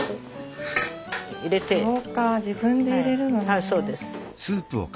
はいそうです。